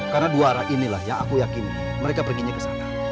karena dua arah inilah yang aku yakini mereka perginya ke sana